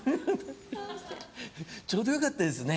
ちょうどよかったですね。